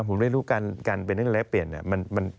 ผมได้รู้การเป็นนักแลกเปลี่ยนเนี่ย